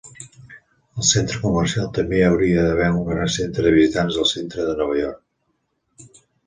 Al centre comercial també hi hauria d'haver un gran Centre de Visitants del centre de Nova York.